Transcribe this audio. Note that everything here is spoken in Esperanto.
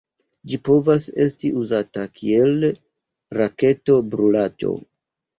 Ĝi povas esti uzata kiel raketo-brulaĵo.